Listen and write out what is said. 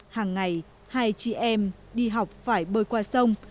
hàng ngày hai chị em đi học phải bơi qua sông